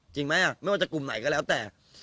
จริงไหมไม่ว่าจะกลุ่มไหนก็แล้วแต่